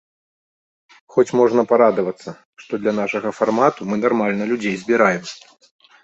Хоць можна парадавацца, што для нашага фармату мы нармальна людзей збіраем.